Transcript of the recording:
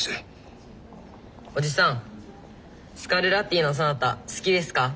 おじさんスカルラッティのソナタ好きですか？